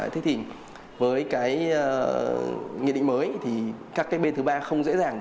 thế thì với cái nghị định mới thì các cái bên thứ ba không dễ dàng